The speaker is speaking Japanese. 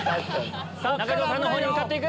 中条さんのほうに向かって行く。